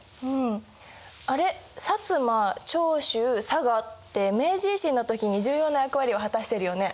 佐賀って明治維新の時に重要な役割を果たしてるよね？